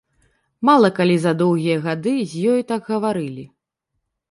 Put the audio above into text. Мала калі за доўгія гады з ёю так гаварылі.